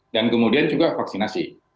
dan kemudian juga vaksinasi